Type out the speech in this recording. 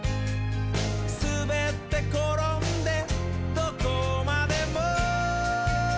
「すべってころんでどこまでも」